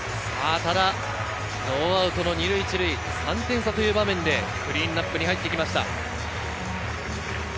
ノーアウト２塁１塁、３点差という場面でクリーンナップに入ってきました。